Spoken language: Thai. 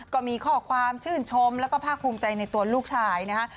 ก็มีข้อความชื่นชมแล้วก็ภาคภูมิใจในตัวลูกชายนะฮะ